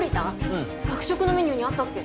うん学食のメニューにあったっけ？